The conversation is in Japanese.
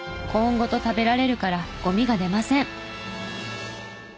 コーンごと食べられるからゴミが出ません。